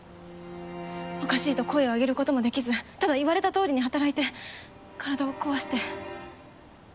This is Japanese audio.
おかしいと声を上げることもできずただ言われたとおりに働いて体を壊して。